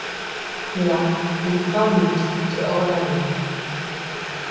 Là, il forme une troupe de hors-la-loi.